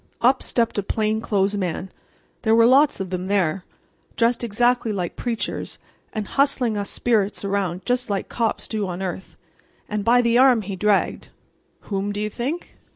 Up stepped a plain clothes man—there were lots of 'em there, dressed exactly like preachers and hustling us spirits around just like cops do on earth—and by the arm he dragged—whom, do you think?